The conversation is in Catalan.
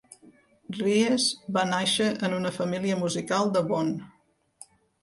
Ries va nàixer en una família musical de Bonn.